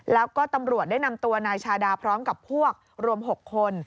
แล้วก็ตำรวจได้นำตัวนายชาดาพร้อมกับพวกรวม๖คน